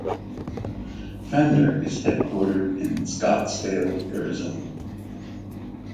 Fender is headquartered in Scottsdale, Arizona.